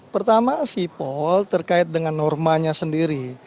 pertama sipol terkait dengan normanya sendiri